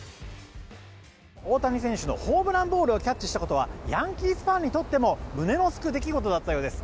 大谷選手のホームランボールをキャッチしたことはヤンキースファンにとっても胸のすく出来事だったようです。